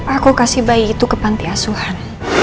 aku kasih bayi itu ke panti asuhan